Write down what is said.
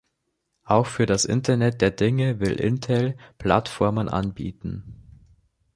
Auch für das Internet der Dinge will Intel Plattformen anbieten.